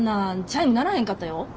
チャイム鳴らへんかったよ。